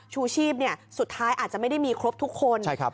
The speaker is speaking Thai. ชูชีพสุดท้ายอาจจะไม่ได้มีครบทุกคน